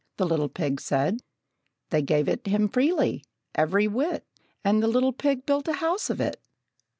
The little pig said. They gave it him freely, every whit, And the little pig built a house of it.